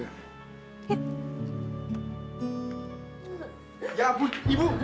ya ampun ibu